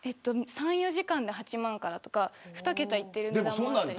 ３、４時間で８万からとか２桁いっているものも。